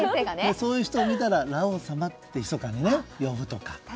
そういう人を見たら裸王様って密かに呼ぶとか。